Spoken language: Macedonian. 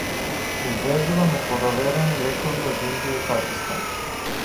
Увезува непроверени лекови од Индија и Пакистан